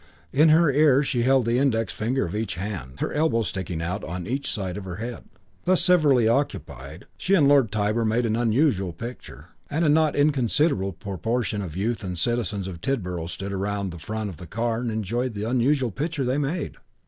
In her ears she held the index finger of each hand, her elbows sticking out on each side of her head. Thus severally occupied, she and Lord Tybar made an unusual picture, and a not inconsiderable proportion of the youth and citizens of Tidborough stood round the front of the car and enjoyed the unusual picture that they made.